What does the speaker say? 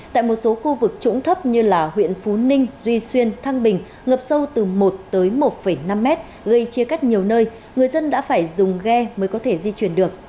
tại một số khu vực trũng thấp như huyện phú ninh duy xuyên thăng bình ngập sâu từ một tới một năm mét gây chia cắt nhiều nơi người dân đã phải dùng ghe mới có thể di chuyển được